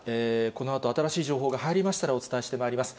このあと新しい情報が入りましたらお伝えしてまいります。